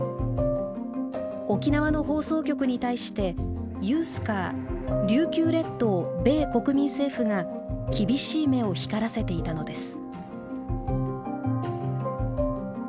沖縄の放送局に対してＵＳＣＡＲ琉球列島米国民政府が厳しい目を光らせていたのです。